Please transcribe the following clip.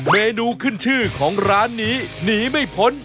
เมนูขึ้นชื่อของร้านนี้หนีไม่พ้น